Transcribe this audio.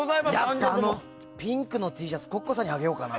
ピンクのＴシャツＣｏｃｃｏさんにあげようかな。